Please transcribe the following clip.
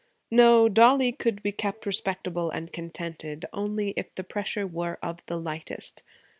No, Dollie could be kept respectable and contented only if the pressure were of the lightest.